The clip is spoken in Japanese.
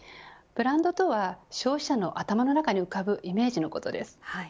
ブランドとは消費者の頭の中に浮かぶイメージのことです。